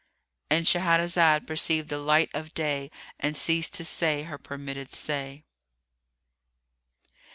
——And Shahrazad perceived the light of day and ceased to say her permitted say.